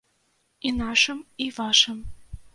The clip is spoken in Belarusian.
І нашым, і вашым.